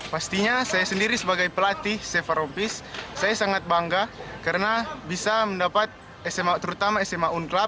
pastinya saya sendiri sebagai pelatih seva rompis saya sangat bangga karena bisa mendapat sma terutama sma unclub